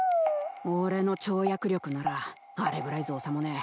俺の跳躍力ならあれぐらい造作もねえ